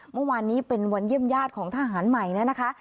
เมื่อวานนี้เป็นวันเยี่ยมญาติของทหารใหม่เนี่ยนะคะ